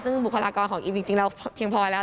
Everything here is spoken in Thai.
ซึ่งบุคลากรของอิมจริงเราเพียงพอแล้ว